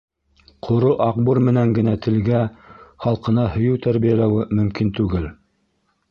Ҡоро аҡбур менән генә телгә, халҡына һөйөү тәрбиәләүе мөмкин түгел.